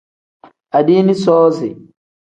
Adiini soozi.